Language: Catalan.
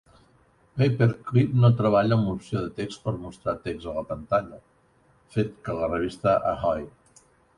PaperClip no treballa amb l'opció de text per mostrar text a la pantalla, fet que la revista Ahoy!